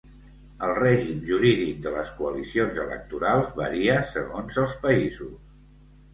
El règim jurídic de les coalicions electorals varia segons els països.